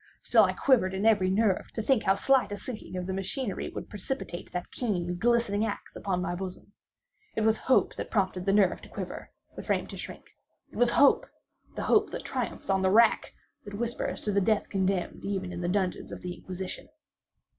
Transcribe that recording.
Still I quivered in every nerve to think how slight a sinking of the machinery would precipitate that keen, glistening axe upon my bosom. It was hope that prompted the nerve to quiver—the frame to shrink. It was hope—the hope that triumphs on the rack—that whispers to the death condemned even in the dungeons of the Inquisition.